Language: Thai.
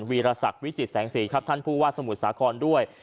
วีรศักดิ์วิจิตแสงสีครับท่านผู้ว่าสมุทรสาครด้วย